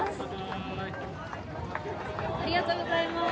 ありがとうございます。